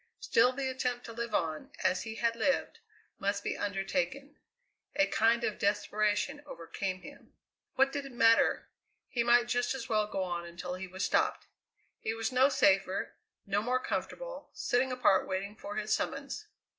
Still the attempt to live on, as he had lived, must be undertaken. A kind of desperation overcame him. What did it matter? He might just as well go on until he was stopped. He was no safer, no more comfortable, sitting apart waiting for his summons.